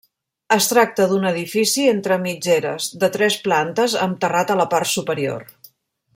Es tracta d'un edifici entre mitgeres, de tres plantes amb terrat a la part superior.